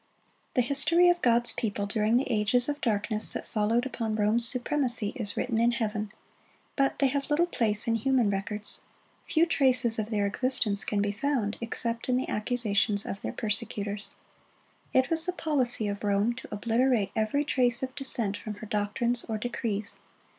The history of God's people during the ages of darkness that followed upon Rome's supremacy, is written in heaven, but they have little place in human records. Few traces of their existence can be found, except in the accusations of their persecutors. It was the policy of Rome to obliterate every trace of dissent from her doctrines or decrees.